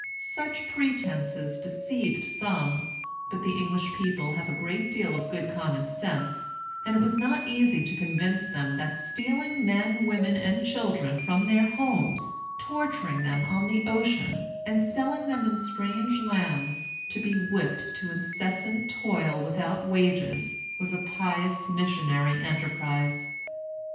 Such pretences deceived some. But the English people have a great deal of good common sense; and it was not easy to convince them that stealing men, women, and children from their homes, torturing them on the ocean, and selling them in strange lands, to be whipped to incessant toil without wages, was a pious missionary enterprise.